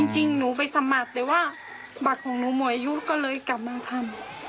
จริงหนูไปสมัครแต่ว่าบัตรของหนูหมดอายุก็เลยกลับมาทำ